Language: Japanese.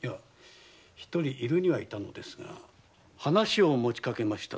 一人いるにはいたのですが話をもちかけたところ。